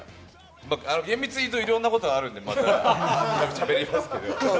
厳密に言うと、いろんなことがあるんでまた、しゃべりますけど。